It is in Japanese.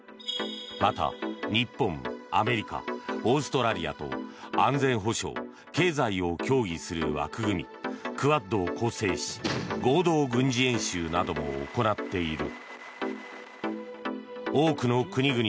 また、日本、アメリカオーストラリアと安全保障、経済を協議する枠組みクアッドを構成し合同軍事演習なども行っている。